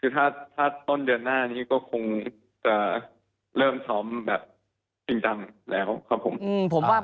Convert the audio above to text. ถ้าต้นเดือนหน้านี่ก็คงจะเริ่มซ้อมจริงจังแล้ว